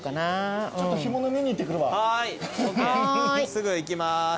すぐ行きます。